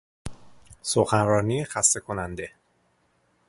سخنرانی خسته کننده